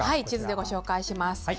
地図でご紹介します。